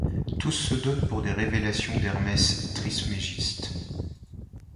Tous se donnent pour des révélations d'Hermès Trismégiste.